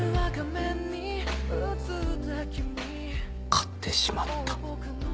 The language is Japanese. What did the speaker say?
買ってしまった。